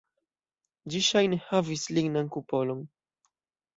Ĝi ŝajne havis lignan kupolon.